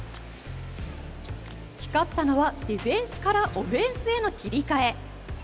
光ったのはディフェンスからオフェンスへの切り替え。